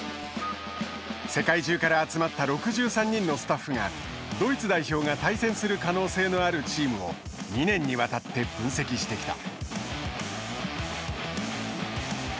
世界中から集まった６３人のスタッフがドイツ代表が対戦する可能性のあるチームを２年にわたって分析してきた。